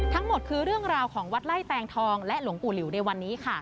ทั้งหมดคือเรื่องราวของวัดไล่แตงทองและหลวงปู่หลิวในวันนี้ค่ะ